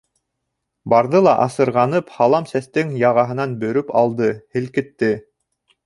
Барҙы ла асырғанып һалам сәстең яғаһынан бөрөп алды, һелкетте.